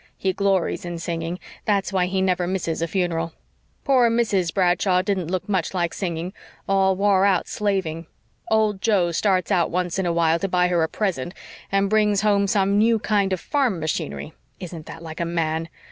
He glories in singing that's why he never misses a funeral. Poor Mrs. Bradshaw didn't look much like singing all wore out slaving. Old Joe starts out once in a while to buy her a present and brings home some new kind of farm machinery. Isn't that like a man?